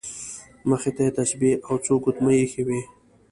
مخې ته یې تسبیح او څو ګوتمۍ ایښې وې.